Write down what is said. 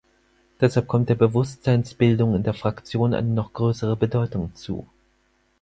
Deshalb kommt der Bewusstseinsbildung in der Fraktion eine noch größere Bedeutung zu.